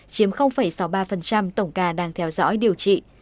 chiếm sáu mươi ba tổng ca đang theo dõi điều trị